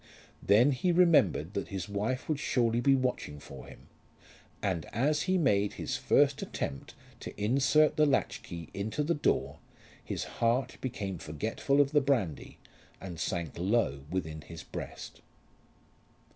Then he remembered that his wife would surely be watching for him, and as he made his first attempt to insert the latch key into the door his heart became forgetful of the brandy, and sank low within his breast.